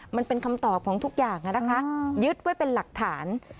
มันเป็นคำตอบของทุกอย่างนะคะยึดไว้เป็นหลักฐาน